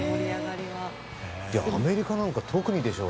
アメリカなんか特にでしょう。